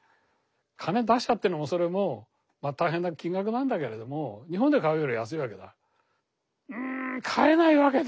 金出しゃっていうのもそれも大変な金額なんだけれども日本で買うより安いわけだ。